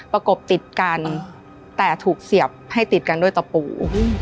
ประกบติดกันแต่ถูกเสียบให้ติดกันด้วยตะปู